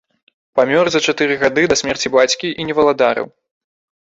Памёр за чатыры гады да смерці бацькі і не валадарыў.